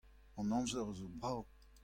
An amzer a zo brav.